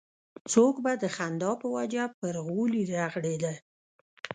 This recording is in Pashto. څوک به د خندا په وجه پر غولي رغړېده.